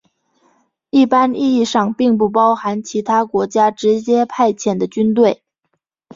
一般意义上并不包含其他国家直接派遣的军队。